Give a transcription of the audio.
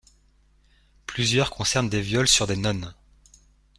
Plusieurs concernent des viols sur des nonnes.